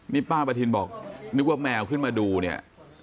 นี่ป้าประทินบอกนึกว่าแมวขึ้นมาดูเนี่ย